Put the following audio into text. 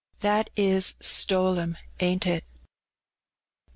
''That is, stole 'em, ain't it?"